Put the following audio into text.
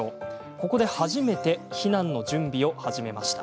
ここで初めて避難の準備を始めました。